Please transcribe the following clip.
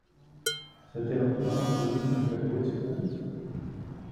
Seid ihr noch immer auf der Suche nach der Codesequenz?